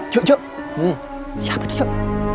jok jok siapa itu jok